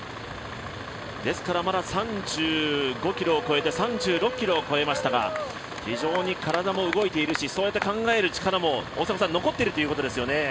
ですからまだ３５ｋｍを越えて３６ｋｍを越えましたが非常に体も動いているしそうやって考える力も残っているということですよね？